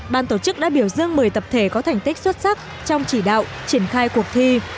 ban tổ chức đã biểu dương một mươi tập thể có thành tích xuất sắc trong chỉ đạo triển khai cuộc thi